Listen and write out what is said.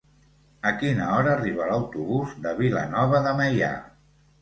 A quina hora arriba l'autobús de Vilanova de Meià?